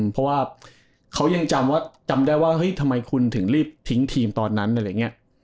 เพราะว่าเขายังจำว่าจำได้ว่าเฮ้ยทำไมคุณถึงรีบทิ้งทีมตอนนั้นอะไรอย่างนี้